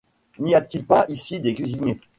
N’y a-t-il pas ici des cuisiniers ?